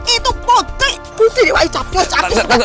itu putri putri dewa